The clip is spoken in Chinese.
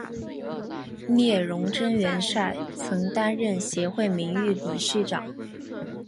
聂荣臻元帅曾担任协会名誉理事长。